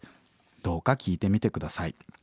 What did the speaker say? どうか聴いてみて下さい」。